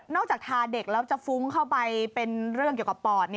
จากทาเด็กแล้วจะฟุ้งเข้าไปเป็นเรื่องเกี่ยวกับปอด